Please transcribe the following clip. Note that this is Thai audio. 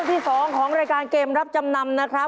ที่๒ของรายการเกมรับจำนำนะครับ